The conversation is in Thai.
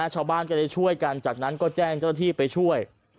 ชาวบ้านก็เลยช่วยกันจากนั้นก็แจ้งเจ้าหน้าที่ไปช่วย